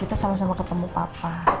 kita sama sama ketemu papa